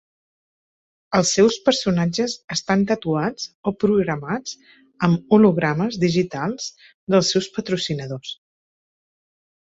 Els seus personatges estan tatuats o programats amb hologrames digitals dels seus patrocinadors.